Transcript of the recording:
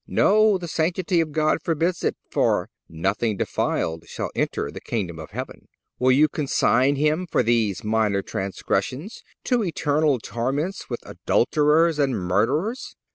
No; the sanctity of God forbids it, for "nothing defiled shall enter the Kingdom of Heaven."(297) Will you consign him, for these minor transgressions, to eternal torments with adulterers and murderers?